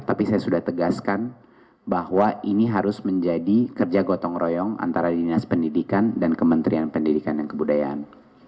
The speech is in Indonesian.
tapi saya sudah tegaskan bahwa ini harus menjadi kerja gotong royong antara dinas pendidikan dan kementerian pendidikan dan kebudayaan